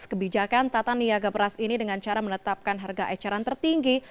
kebijakan tata niaga beras ini dengan cara menetapkan harga eceran tertinggi